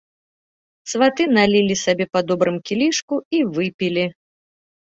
Сваты налілі сабе па добрым кілішку і выпілі.